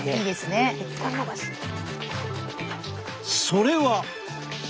それは。